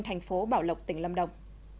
thành phố bảo lộc tỉnh lâm đồng